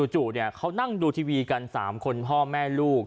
จู่เขานั่งดูทีวีกัน๓คนพ่อแม่ลูก